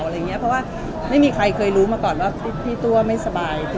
เพราะว่าไม่มีใครเคยรู้มาก่อนว่าพี่ตัวไม่สบาย